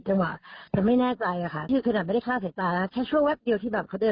ก็ระเบิดหนึ่งใบพัดกระตุกรัวรัวรัวจายเต็มมากเลย